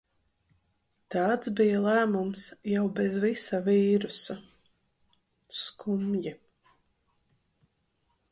Tāds bija lēmums jau bez visa vīrusa... Skumji...